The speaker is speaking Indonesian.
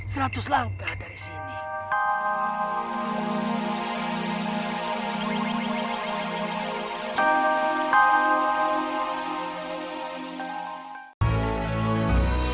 jangan lupa berhati hati